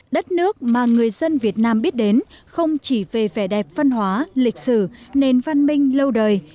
đất nước mà người dân việt nam biết đến không chỉ về vẻ đẹp văn hóa lịch sử nền văn minh lâu đời